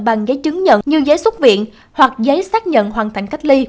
bằng giấy chứng nhận như giấy xuất viện hoặc giấy xác nhận hoàn thành cách ly